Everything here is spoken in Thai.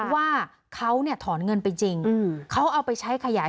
ว่าเขาเนี่ยถอนเงินไปจริงเขาเอาไปใช้ขยาย